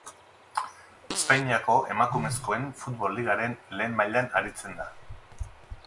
Espainiako Emakumezkoen Futbol Ligaren Lehen Mailan aritzen da.